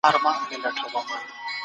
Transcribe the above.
روښانه فکر کرکه نه پیدا کوي.